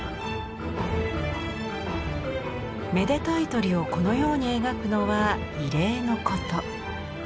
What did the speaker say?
めでたい鳥をこのように描くのは異例のこと。